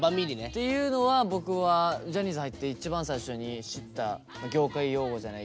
っていうのは僕はジャニーズ入って一番最初に知った業界用語じゃないけど。